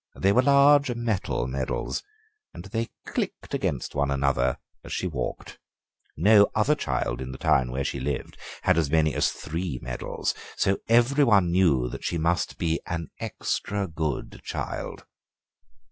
They were large metal medals and they clicked against one another as she walked. No other child in the town where she lived had as many as three medals, so everybody knew that she must be an extra good child."